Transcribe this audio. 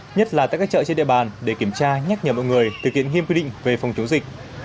nhất là tại các chợ trên địa bàn để kiểm tra nhắc nhở mọi người thực hiện nghiêm quy định về phòng chống dịch